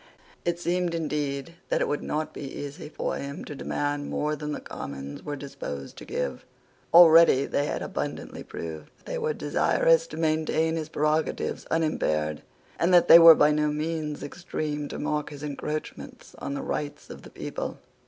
It seemed, indeed, that it would not be easy for him to demand more than the Commons were disposed to give. Already they had abundantly proved that they were desirous to maintain his prerogatives unimpaired, and that they were by no means extreme to mark his encroachments on the rights of the people.